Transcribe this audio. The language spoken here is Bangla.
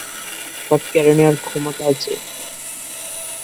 সব কেড়ে নেয়ার ক্ষমতা আছে।